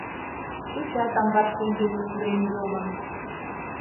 Кечат амбар шеҥгеке пурен йомын.